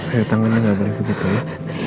ayo tangannya gak balik begitu ya